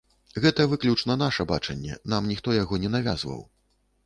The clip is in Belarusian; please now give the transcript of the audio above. Гэта выключна наша бачанне, нам ніхто яго не навязваў.